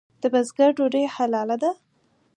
د بزګر ډوډۍ حلاله ده؟